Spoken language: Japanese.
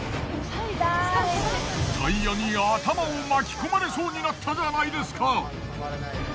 タイヤに頭を巻き込まれそうになったじゃないですか。